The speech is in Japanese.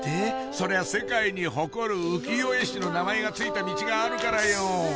それは世界に誇る浮世絵師の名前が付いたミチがあるからよ